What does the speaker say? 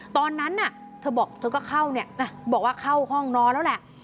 ตอนนั้นเธอบอกเธอก็เข้าเนี่ยบอกว่าเข้าห้องนอนแล้วแหละ